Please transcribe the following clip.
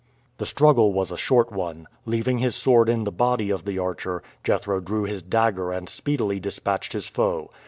The struggle was a short one. Leaving his sword in the body of the archer, Jethro drew his dagger and speedily dispatched his foe.